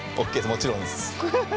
もちろんです。